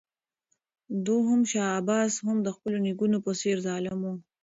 دوهم شاه عباس هم د خپلو نیکونو په څېر ظالم و.